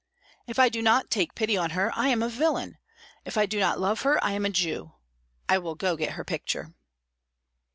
If I do not take pity on her, I am a villain; if I do not love her, I am a Jew. I will go get her picture!"